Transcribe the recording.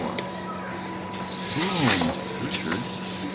Brome (Richard).